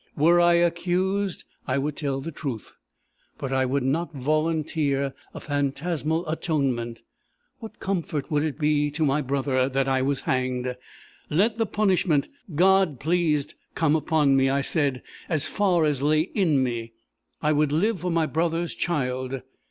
Were I accused, I would tell the truth; but I would not volunteer a phantasmal atonement. What comfort would it be to my brother that I was hanged? Let the punishment God pleased come upon me, I said; as far as lay in me, I would live for my brother's child!